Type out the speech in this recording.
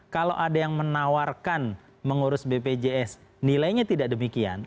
kalau ada yang menawarkan mengurus bpjs nilainya tidak demikian